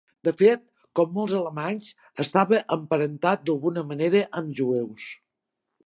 De fet, com molts alemanys, estava emparentat d'alguna manera amb jueus.